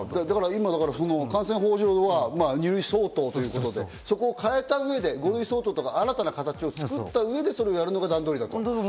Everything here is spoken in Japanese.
感染法上は２類相当ということで、そこを変えた上で５類相当とか新たな形を作った上でそれをやるのが段取りと。